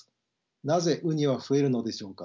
なぜウニは増えるのでしょうか。